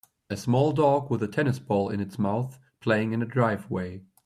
A small dog with a tennis ball in its mouth playing in a driveway.